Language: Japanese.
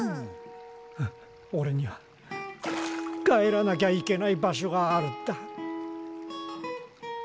オレには帰らなきゃいけない場所があるんだ。